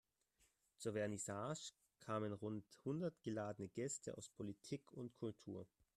Zur Vernissage kamen rund hundert geladene Gäste aus Politik und Kultur.